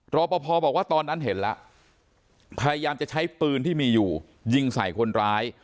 รอปภบอกว่าตอนนั้นเห็นแล้วพยายามจะใช้ปืนที่มีอยู่ยิงใส่คนร้าย